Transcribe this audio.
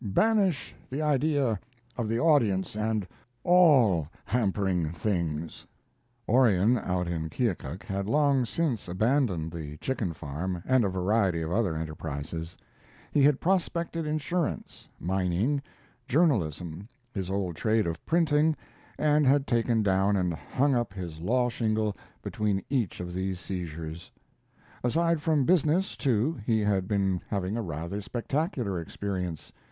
Banish the idea of the audience and all hampering things." Orion, out in Keokuk, had long since abandoned the chicken farm and a variety of other enterprises. He had prospected insurance, mining, journalism, his old trade of printing, and had taken down and hung up his law shingle between each of these seizures. Aside from business, too, he had been having a rather spectacular experience.